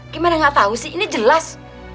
gimana gak tau sih ini jelas